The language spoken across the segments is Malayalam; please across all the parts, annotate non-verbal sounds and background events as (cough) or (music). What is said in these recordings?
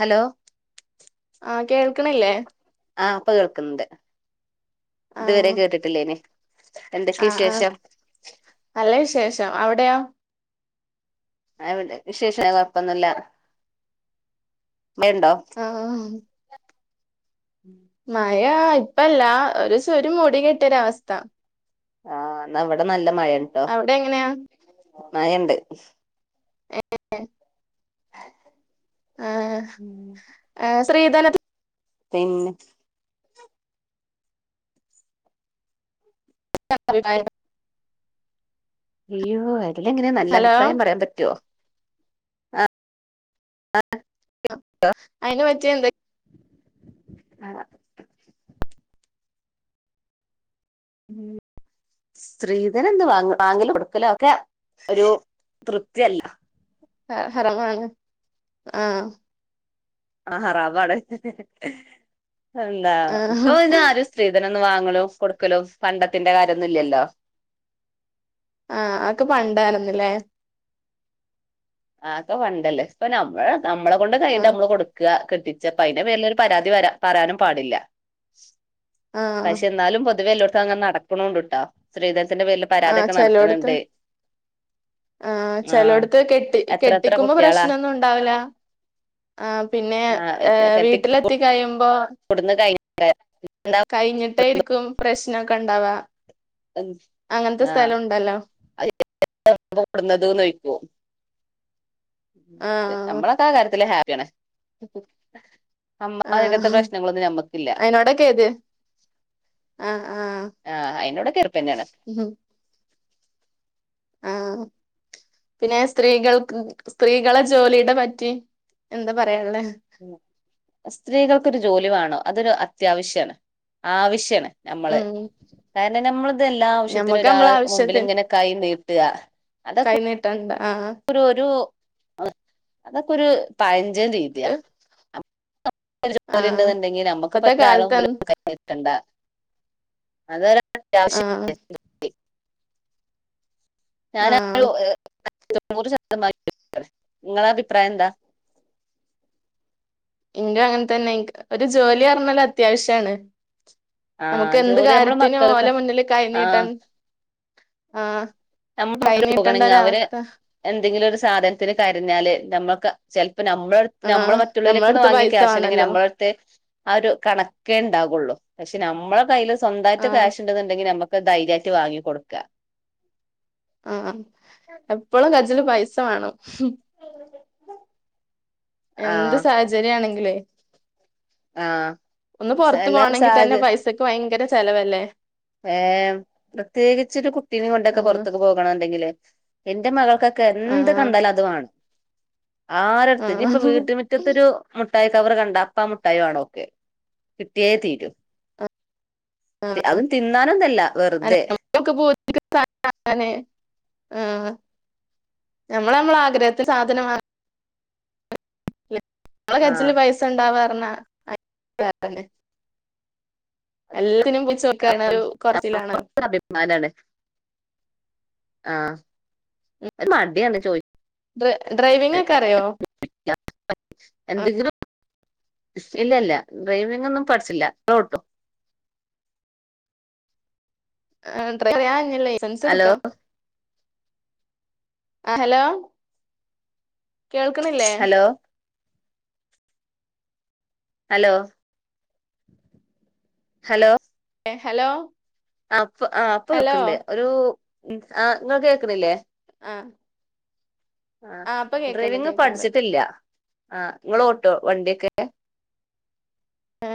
ഹലോ ആ കേൾക്കണില്ലേ? ആ ഇപ്പൊ കേൾക്കുന്നുണ്ട് ഇതുവരെ കേട്ടിട്ടില്ലേന് ആ ആ നല്ല വിശേഷം. അവടെയാ അഎവിടെ വിശേഷ കൊഴപ്പൊന്നില്ല വേണ്ടോ മ അയാ ഇപ്പല്ല ഒരു സ ഒരു മുടി കെട്ട്യരവസ്ഥ ആഹ് ന്നവ് ടെ നല്ല മയെൻട്ടോ അവിടെ എങ്ങനെയാ മയണ്ട് (unintelligible) ആഹ് ആ ശ്രീധന പിന്നെ (unintelligible) (unintelligible) കില്ലെങ്ങനെ നല്ല ഹലോ അഭിപ്രായം പറയാം പറ്റൊ അ അ അ അയിന് വച്ചേ എന്തെ ആഹ ഉ സ്ത്രീധനന്ന് വാങ്ങ വാങ്ങലു കൊടുക്കലോക്കെ ഒരു തൃപ്തിയല്ല ഹ ഹറമാണ് ആ ആ ഹറാമാണ് എല്ലാ ആഹ് ഉപ്പൊ പിന്നെ ആരു സ്ത്രീധന ന്ന് വാങ്ങലോ കൊടുക്കലോ ഫണ്ടത്തിന്റെ കാര്യന്നും ഇല്ലല്ലോ ആഹ് അഒക്കെ പണ്ടാര്ന്ന്ല്ലേ ആ അക്കൊ പണ്ടല്ലേ ഇപ്പൊ നമ്മള് നമ്മളെ കൊണ്ട് കയ്യിൺത് ആഹ് അമ്മള് കൊടുക്ക കെട്ടിച്ചപ്പ അയിന്റെ പേരിലൊരു പരാതി വരാ പറയാനും പാടില്ല ആഹ് പക്ഷെ എന്നാലും പൊതുവെല്ലോ പ്പ അങ്ങന്നടക്കുണുണ്ട്ട്ടാ ശ്രീധൻ ആചെലോട്ത്ത് ആ ചെലോട്ത്ത് കെട്ടി ഇ എത്ര എത്ര കെട്ടിക്കുമ്പോ കുട്ടികളാ പ്രശ്നൊന്നും ഉണ്ടാവ് ല്ല ആ പിന്നെ എ വീട്ടിലെത്തി കഴിയുമ്പോ കൊട്ന്ന് കഴി (unintelligible) കഴിഞ്ഞിട്ടായിരിക്കും പ്രശ് നൊക്കെണ്ടാവാ അങ്ങൻത്തെ സ്ഥലുണ്ടല്ലോ (unintelligible) ന്നത് നോയിക്കോ ഹ് ആഹ് അമ്മളൊക്കെ ആ കാര്യത്തില് ഹാ (unintelligible) അമ്മനികത്തെ ആഹ് പ്രശ്നങ്ങളൊന്നു ഞമ്മക്കില്ല അയിനോടൊക്കെ ഇത് ആഹ് ആഹ് ആ അയിനോടെക്കെ റപ്പന്നെയാണ് ആ പിന്നെ സ്ത്രീകൾക്ക് സ്ത്രീകളെ ജോലിയുടെ പറ്റി എന്താ പറയാനുള്ളേ ഉം സ്ത്രീകൾക്കൊരു ജോലി വേണോ അതൊരു അത്യാവശ്യാണ് ആവശ്യാണ് നമ്മള് ഉം കാരണം നമ്മള്തെല്ലാ ആവശ്യത്തിനും ഞമ്മക്ക് നമ്മളെ ഒരാളെ മുമ്പില് ആവശ്യത്തിന് ഇങ്ങനെ കൈ നീട്ട കൈ അതൊക്കെ നീട്ടണ്ട ആഹ് ഒരു ഒരു അതൊക്കൊരു പഴഞ്ച് ഞ്ചൻ രീതിയ ഒരു ആഹ് ജോലിണ്ട്ന്ന്ണ്ടെങ്കി നമ്മക്ക് ഇപ്പത്തെ ഇപ്പാരെ കാലത്ത് മുൻപിലും കൈ നീട്ടണ്ട അത അത്യവശ്യ ആഹ് (unintelligible) ഞാന ആ ആഹ് (unintelligible) തൊണ്ണൂറ് ശതമാന ഇങ്ങള അഭിപ്രായം എന്താ ഇന്റു അങ്ങൻ തന്നെ ഇൻത് ഒരു ജോലി പറ്ഞ്ഞല് അത്യാവശ്യാണ് ആ നമുക്ക് എന്ത് ജോലി നമ്മളെ കാര്യത്തിനും മക്കൾക്ക് ഓല മുന്നില് കൈ ആ നീട്ടൻ ആഹ് നമ്മൾ കൈ നീട്ടണ്ട പോകണെങ്കിൽ അവര് ഒരവസ്ഥ എന്തെങ്കിലും ഒരു സാധനത്തിന് കരഞ്ഞാല് നമ്മൾക്ക ചെൽ ഇപ്പൊ നമ്മള നമ്മളെ ആഹ് നമ്മളെ മറ്റുള്ളവരിലക്കൊന്ന് അടുത്ത് വാങ്ങിയ പൈസ ക്യാശ് അല്ലെങ്കി വേണല്ലോ നമ്മളടുത്ത് ആഹ് ഒരു കണക്കേ ഇണ്ടാകൊള്ളൂ പക്ഷ നമ്മടെ കയ്യില് സ്വന്തായ്ട്ട് ആഹ് കാഷ്ണ്ട്ന്ന്ണ്ടെങ്കി ഞമക്ക് ധൈര്യായിട്ട് വാങ്ങി കൊടുക്ക ആഹ് എപ്പോഴും കജില് പൈസ വാണം ഉം എന്ത് ആഹ് സാഹചര്യ ആണെങ്കിലേ ആഹ് ഒന്ന് പൊറത്തു എല്ലാ പോണെങ്കി തന്നെ പൈസക്ക് ഭയങ്കര സ്ഥലവല്ലേ ഏ പ്രത്യേകിച്ച് ഒരു കുട്ടീനെ കൊണ്ടൊക്കെ ആഹ് പുറത്ത് പോകണുണ്ടെങ്കിലെ - എന്റെ മകൾക് - എന്ത് ആഹ് കണ്ടാലും അത് വേണം ആരുടുത്ത് ഇനി ആഹ് ഇപ്പ വീട്ടുമുറ്റത്തൊരു- മുട്ടായി കവറ് കണ്ട് അപ്പാ മുട്ടായി വേണോ അവൾക്ക് കിട്ടിയേ തീരും റ്റെ ആഹ് അത്ണ്ട് തിന്നാനൊന്നും അല്ല അല്ല വെറുതെ നമ്മക്ക് ആ ഞമ്മള് ഞമ്മളെ ആഗ്രഹിച്ച സാധനം വാങ്ങാ ണമ്മള ആഹ് കച്ചില് പൈസണ്ടവാ (unintelligible) എല്ലാത്തിനും (unintelligible) കൊറച്ചിലാണല്ലോ അഭിമാനാണ് ആഹ് ഒരു മടിയാണ് ചോദ് (unintelligible) ഡ്രൈവിങ് ഒക്കെ അറിയോ ആ എന്തെങ്കിലും ഇല്ല ഇല്ല ഡ്രൈവിംഗ് ഒന്നും പഠിച്ചില്ല (unintelligible) (unintelligible) ഹലോ ലൈസെൻസെടുക്കാം ആ ഹലോ കേൾക്കണില്ലേ ഹലോ ഹലോ ഹലോ എ ഹലോ ആ ഇപ്പ ആ ഇപ്പ ഹലോ കേക്ക്ണ്ട് ഒരു ഉം ആ ങ്ങക്ക് കേക്ക്ണില്ലേ ആ ആ ഡ്രൈവിങ് കേക്കണ്ട് പഠിച്ചിട്ടില്ല ആ ങ്ങള് ഓട്വോ വണ്ടിയൊക്കെ മ്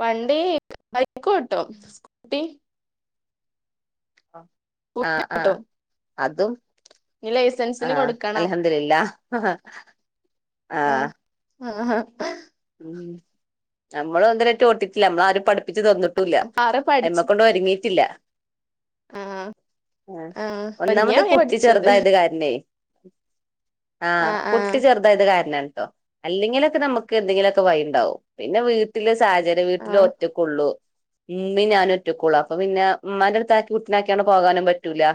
വണ്ടി ബൈക്ക് ഓട്വോ സ്കൂട്ടി ആ ആ സ്കൂട്ടി ആ ഓട്ടും അതും ഇനി ലൈസൻസിന് ആഹ് കൊടുക്കണം അൽഹംദുലില്ല ആഹ് ആഹ് ഉം നമ്മളും ഇതുവരെ ആയിട്ട് ഓട്ടിട്ടില്ല നമ്മള ആരും പഠിപ്പി (unintelligible) തന്നിട്ടൂല്ല കാറ് യമ്മ പഠിച്ച് കൊണ്ട് ഒരുങ്ങി ഇല്ല ആഹ് ആഹ് ഒരുങ്ങിയ ഒന്നാമത് വേം കുട്ടി പഠിച്ചത് ചെറുതായത് കാരണേ ആ ആഹ് കുട്ടി ആഹ് ചെറുതായത് കാരണാണ് ടോ അല്ലെങ്കിലൊക്കെ നമു എന്തെങ്കിലുവൊക്കെ വഴിണ്ടാവും പിന്നെ വീട്ടിലെ സ് ജാരെ വീട്ടില് ആഹ് ഒറ്റക്കുള്ളു ഉമ്മിംഞാനും ഒറ്റക്കൊള്ളൂ അപ്പൊ പിന്നെ ഉമ്മാന്റെട്ത്താക്കി കുട്ടിനാക്ക്യാണ്ട് പോകാനും പറ്റൂല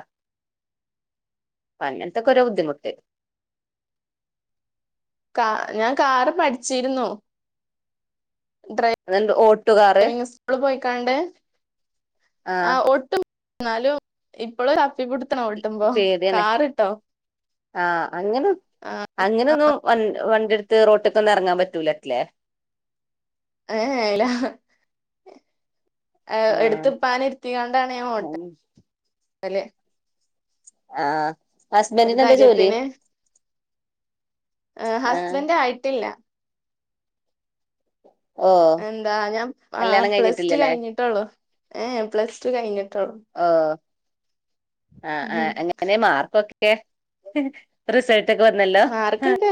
പ്പഅങ്ങനത്തക്കൊരോ ബുദ്ധിമുട്ട് കാ ഞാൻ കാറ് പഠിച്ചിരുന്നു ഡ്രൈ അതുകൊണ്ട് ഓട്ടോ കാറ് ഡ്രൈവിങ് സ്കൂള് പോയിക്കാണ്ട് ആ ആഹ് ഒട്ടും എന്നാലും ഇപ്പൊളര ഇവ്ട്ത്ത്ണോട്ടുമ്പോ കാറ്ട്ടോ ആഹ് അങ്ങനും ആഹ് അങ്ങനെ ഒന്നും വണ്ടിട്ത്ത് റോട്ട്ക്കൊന്നും എറങ്ങാൻ പറ്റൂലല്ലേ എഏ ഇലാ ഏ് ആ എട്ത്ത് ഇപ്പാനിര്ത്തിക്കാണ്ടാണ് ഞാൻ ഓട്ട അല്ലെ ആഹ് ഒരു ധൈര്യത്തിന് അ ആ ഹസ്ബൻറ് ആയിട്ടില്ല ഓ എന്താ ഞാൻ ആഹ് കല്യാണം പ്ലസ് ടു കഴിഞ്ഞിട്ടില്ലല്ലേ കഴിഞ്ഞിട്ടൊള്ളു ഏഹേ പ്ലസ് ടു കഴിഞ്ഞ്- ആഹ് ആഹ് ഉം ആഹ് എങ്ങനേ മാർക്കൊ ക്കെ റിസൾ ട്ടക്കെ വന്നല്ലോ. മാർക്കൊക്കെ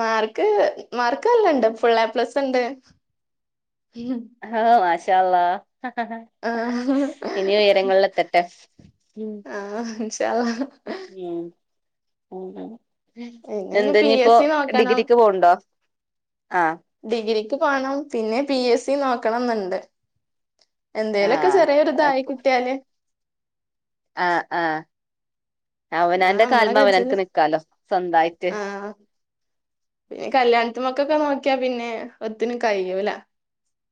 മാർക്ക് മാർക്ക് എല്ലാ ഇണ്ട്. ഫുള്ളേ പ്ലസ് എണ്ട്. ഹോ മാഷ് ശ അള്ളാഹ്‌. ആ ഇനിയും ഉയരങ്ങളിലെത്തട്ടെ. ഇം ഇൻശാഅല്ലാഹ്‌. ഉം ഉ ഉ പിന്നെ ഇനി എന്താ പി ഇനിയിപ്പോ എസ് ഡിഗ്രിക്ക് പോണുണ്ടോ? ആ ഡിഗ്രി ക്കു പോണം. പിന്നെ പി. എസ്. സി നോ ക്കണംന്നിണ്ട്. ആ എന്തേലൊക്കെ ചെറിയൊരു ഇതായി കിട്ടിയാല്. ആ ആ ആ അവനാന്റെ നമ്മളെ കാലിൽമേ കജ്ജില് അവനാനക്ക് നിക്കാലോ സ്വന്തമായിട്ട് ആ പിന്നെ കല്യാണത്തി മക്കൊക്കെ നോക്കിയാ പിന്നെ ഒത്തിന് കഴിയൂല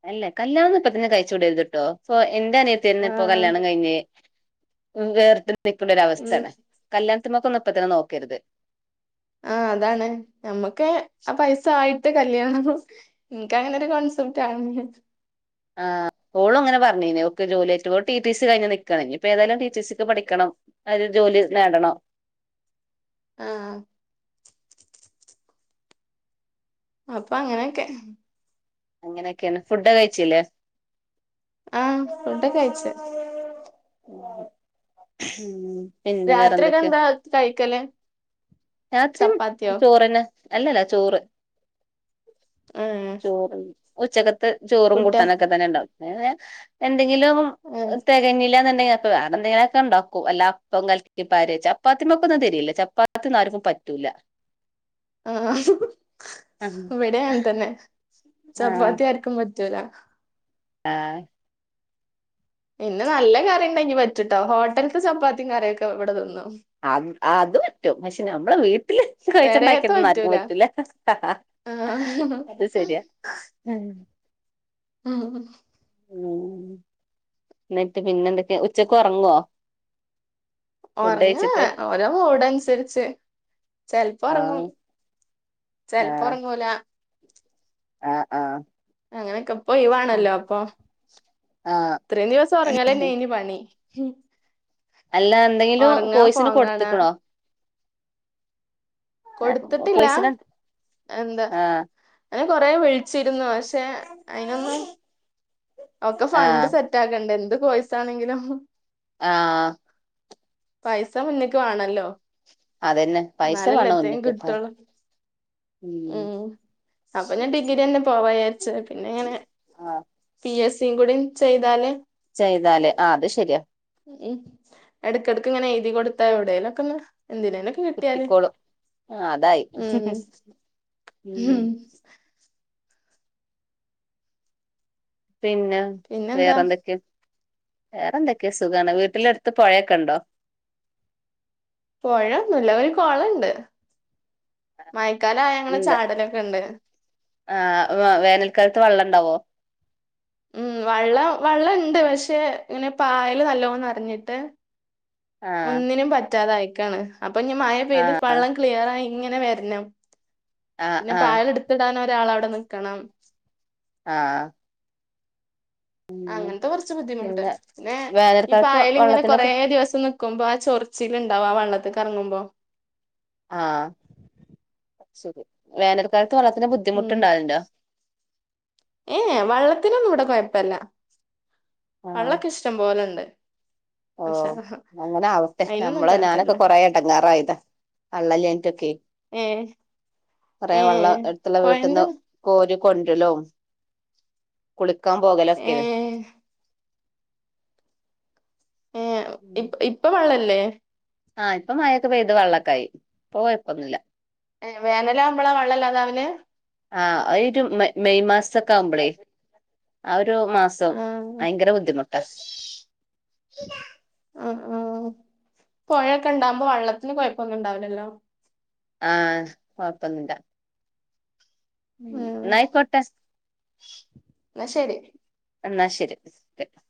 അല്ല കല്യാണം ഇപ്പത്തന്നെ കഴിച് വിടരുത്ട്ടോ എന്റെ അനിയത്തി തന്നെ ആ ഇപ്പൊ കല്യാണം കഴിഞ്ഞേ വേർത്ത് നിൽക്കുന്ന ഒര ഉം അവസ്ഥാണ് കല്യാ (unintelligible) മക്കൊന്നും ഇപ്പത് നോക്കരുത് ആ അതാണ് നമ്മുക്ക് ആ പൈസ ആയിട്ട്- കല്യാണ നിനക്ക് അങ്ങനെ ഒരു കോൺസെപ്റ്റ് ആണ് ആഹ് ഓളും അങ്ങനെ പറഞ്ഞീനു ഓക് ജോലി ടി ടി സി കഴിഞ്ഞു നൽക്കണം ഇനി ഇപ്പ ഏതായാലും ടി ടി സിക്ക് പഠിക്കണം അത് ജോലി നേടണം ആ അപ്പൊ അങ്ങനെയൊക്കെ അങ്ങനെയൊക്കെയാന്ന് ഫുഡ് കഴിച്ചല്ലേ ആ ഫുഡൊക്കെ കഴിച്ച് ഉം (unintelligible) രാത്രിയൊക്കേ എന്താ കഴിക്കല് രാത്രിയും ചപ്പാത്തിയോ ചോറ്ന അല്ലല്ല ചോറ് ഏഹ് ചോറ് ഉച്ചക്ക് ചോറും പുട്ടാ കൂട്ടാനൊക്കെ തന്നെണ്ടാവും (unintelligible) എൻ എന്തെങ്കിലും ഏഹ് തികഞ്ഞില്ല എന്നുണ്ടെങ്കി അ വേറെഎന്തെങ്കിലൂ എന്തെങ്കൊക്കെ ഉണ്ടാക്കും അല്ല അപ്പം (unintelligible) ചപ്പാത്തി മൊക്കൊന്നുംരില്ല ചപ്പാത്തി ആർക്കും പറ്റൂല ആ ഇവിടെങ്ങനതന്നെ ചപ്പാത്തി ആർക്കും വേ (unintelligible) ആ പിന്നെ നല്ല കറി ഇണ്ടെങ്കി പറ്റുട്ടോ ഹോട്ടല്ത്തെ ചപ്പാത്തിയും കറിയൊക്കെ ഇവിടെ തിന്നും അ അത് പറ്റും പക്ഷേ നമ്മളെ വീട്ടില് കൊഴിച്ച്ണ്ടാക്ക്യതൊന്നും ആർക്കും പറ്റൂല ആഹ് അത് ശരിയാ ഉം ആ ഉം ന്നിട്ട് പിന്നെന്തൊക്കെ ഉച്ചക്ക് ഒറങ്ങോ ഒറങ്ങാ ഓരോ മൂട് അൻസരിച്ച് ചെൽപ്പോ ഒറങ്ങും ആഹ് ചെൽപ്പോ ഒറങ്ങൂല ആ ആ അങ്ങനൊക്കെ പ്പൊ ഒഴിവാണല്ലോ അപ്പൊ ആഹ് ഇത്രയും ദിവസം ഉറങ്ങാലല്ലേ അന് പണി ഉം അല്ല എന്തെങ്കിലും കോഴ്സിന് കാണാ കൊടുത്തക്കണോ കൊടുത്തിട്ടില്ല കോഴ്സിന് എന്താ ആഹ് എ കുറേ വിളിച്ചിരുന്നു പക്ഷേ പക്ഷേ അയിനൊന്നും ഒക്കെ ഫണ്ട് ആഹ് സെറ്റ് ആക്കണ്ടേ എന്ത് കോഴ്സാണെങ്കിലും ആഹ് പൈസ മുന്ന്ക്ക് വാണല്ലോ അതന്നെ പൈസ എന്നാലല്ലേ വേണം എത്തേം ഒന്ന് ഉം അപ്പോ ഞാൻ ഡിഗ്രി തന്നെ പോണം അവായൻ ചെ പിന്നെങ്ങെ ആ പി എസ് (unintelligible) ചെയ്താലേ ചെയ്താലേ ആ അത് ശരിയാ ഉം എടക്കിടക് ഇങ്ങനെ എഴുതി കൊടുത്താ എവിടെലക്കൊന്ന് എന്തിനേനൊക്കെ കിട്ടിയാല് കിട്ടിക്കോളും ആ അതായി ഉം ഉം ല്ലേയ് പിന്നെ പിന്നെന്താ വേറെന്തൊക്കെ വേറെന്തൊക്കെ സുഖാണ് വീട്ടില എടുത്ത് പുഴയൊക്കെ ഉണ്ടോ പൊഴ ഒന്നുല്ല ഒരു കൊളണ്ട് മയക്കാല ആ ഞങ്ങള് എന്താ ചാടലൊക്കെണ്ട് ത് വെള്ളണ്ടാവോ ഉം വള്ളം വെള്ളണ്ട് പക്ഷെ ഇങ്ങനെ പായൽ നല്ലോം നറഞ്ഞിട്ട് ആ ഒന്നിനും പറ്റ് പറ്റാതെ ആയിക്കാണ് അപ്പൊഞ് മയ പെയ്ത് വെള്ളം ക്ലിയർ ആയി ഇങ്ങനെ വെര്നം ആ പിന്നെ ആ പായൽ എടുത്തിടാനോ രാളവിടെ നിക്കണം ആഹ് അങ്ങനത്തെ കുറച്ച് ബുദ്ധിമുട്ട് പിന്നെ ഇപ്പ വേനൽക്കാലത്ത് അയല് ഇങ്ങനെ കൊറ വെള്ളത്തിനൊക്കെ ദിവസം ക്കുമ്പോ ആ ചൊറിച്ചിലിണ്ടാവും ആ വെള്ളത്തിക്കിറങ്ങുമ്പോ ആഹ് ശരി വേനൽക്കാല വെള്ളത്തിന് ബുദ്ധിമുട്ടുണ്ടാവലുണ്ടോ ഏ വള്ളത്തിനൊന്നും ഇവിടെ കുഴപ്പില്ല ആ വള്ളൊക്കെ ഇഷ്ടം പോലെണ്ട് ഓ മാഷാ അള്ളാ അങ്ങനെ ആവട്ടെ അയിനൊന്നും നമ്മള് കൊഴപ്പല്ല. ഞാനൊക്കെ കൊറേ എടങ്ങേറായതാ വെള്ളല്ലാഞ്ഞിട്ടൊക്കെ ഏഹ് കൊറേ വെള്ളം ഏഹ് എടുത്തുള്ള വീട്ടിന്ന് പൊഴന്റെ കോരും കൊണ്ടലും കുളി ക്കാൻ പോകലൊക്കെയാണ് ഏഹ് ഏ ഇപ് ഇപ്പൊ വള്ള ല്ലേ ആഹ് ഇപ്പ മയൊക്കെ പെയ്ത് വെള്ളൊക്കായി ഇപ്പോ കൊയപ്പൊന്നുല്ല ഏ വേനലാവുമ്പളാ വെള്ളല്ലാതാവല് ആ അ ഒരു മെ മെയ് മാസൊക്കെ ആവുമ്പളേ ആ ഒരു മാസം ആ ഭയങ്കര ബുദ്ധിമു (unintelligible) ആ ആ പൊഴ ഒക്കെ ഉണ്ടാവുമ്പോ വള്ളത്തിന് കുഴപ്പൊന്നും ഉണ്ടാവില്ലല്ലോ ആ കൊഴപ്പൊന്നില്ല ഉം എന്നായിക്കോട്ടേ (unintelligible) എന്നാ ശരി എന്നാ ശരി (unintelligible)